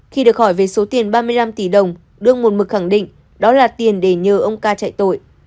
khi được hỏi về số tiền ba mươi năm tỷ đồng đương một mực khẳng định đó là tiền để nhờ ông ca chạy tội